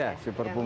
ya super puma